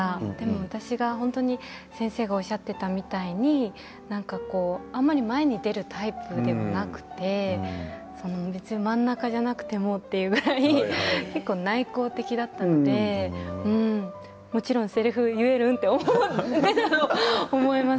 私が、先生がおっしゃっていたみたいにあまり前に出るタイプではなくて真ん中じゃなくても、と結構、内向的だったのでもちろんせりふを言えるんだと言われると思います。